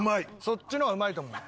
そっちの方がうまいと思う。